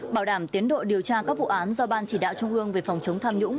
bảo đảm tiến độ điều tra các vụ án do ban chỉ đạo trung ương về phòng chống tham nhũng